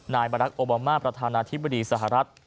นายบารักษ์โอบามาประธานาธิบดีสหรัฐ